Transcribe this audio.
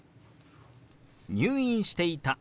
「入院していた」。